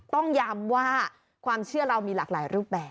ต้องย้ำว่าความเชื่อเรามีหลากหลายรูปแบบ